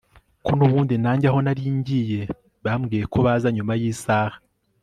ko nubundi nanjye aho naringiye bambwiye ko baza nyuma yisaha